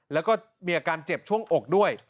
แล้วก็มีอาการเจ็บช่วงอกด้วย